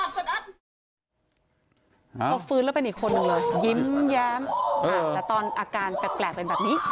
พอฟื้นแล้วเป็นอีกคนนึงเลยยิ้มแย้มแต่ตอนอาการแปลกเป็นแบบนี้